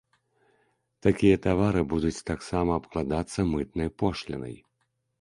Такія тавары будуць таксама абкладацца мытнай пошлінай.